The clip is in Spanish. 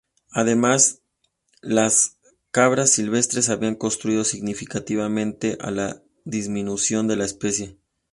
Además, las cabras silvestres habían contribuido significativamente a la disminución de la especie.